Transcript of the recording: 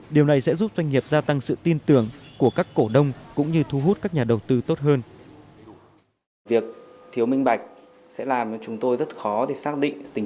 điều này sẽ giúp doanh nghiệp gia tăng sự tin tưởng của các cổ đông cũng như thu hút các nhà đầu tư tốt hơn